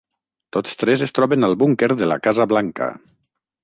Tots tres es troben al Búnquer de la Casa Blanca.